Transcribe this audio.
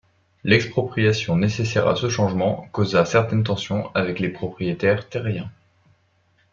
L'expropriation nécessaire à ce changement causa certaines tensions avec les propriétaires terriens.